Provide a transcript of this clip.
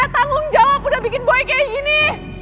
tanggung jawab udah bikin buaya kayak gini